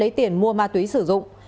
lấy tiền mua ma túy sử dụng